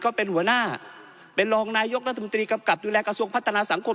เป็นหัวหน้าเป็นรองนายกรัฐมนตรีกำกับดูแลกระทรวงพัฒนาสังคม